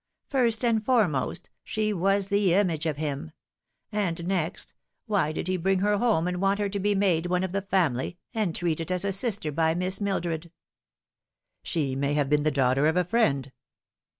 First and foremost, she was the image of him ; and next, why did he bring her home and want her to be made one of the family, and treated as a sister by Miss Mildred ?"" She may have been the daughter of a friend."